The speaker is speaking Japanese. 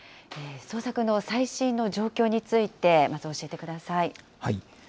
捜索の最新の状況について、まず教えてください。